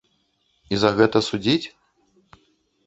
І за гэта судзіць?